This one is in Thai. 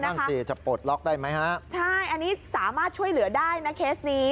นั่นสิจะปลดล็อกได้ไหมฮะใช่อันนี้สามารถช่วยเหลือได้นะเคสนี้